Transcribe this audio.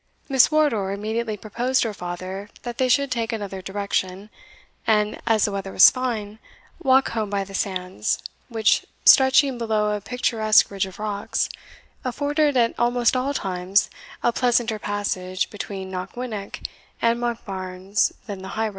Miss Wardour immediately proposed to her father that they should take another direction; and, as the weather was fine, walk home by the sands, which, stretching below a picturesque ridge of rocks, afforded at almost all times a pleasanter passage between Knockwinnock and Monkbarns than the high road.